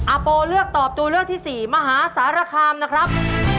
อาโปเลือกตอบตัวเลือกที่สี่มหาสารคามนะครับ